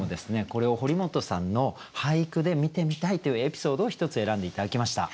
これを堀本さんの俳句で見てみたいというエピソードを１つ選んで頂きました。